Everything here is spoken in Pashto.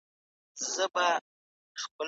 موږ وزن بيا ګورو.